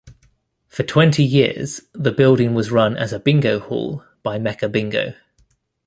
For twenty years, the building was run as a bingo hall by Mecca Bingo.